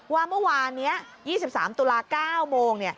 ว่าเมื่อวานนี้๒๓ตุลา๙โมง